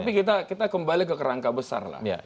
tapi kita kembali ke kerangka besar lah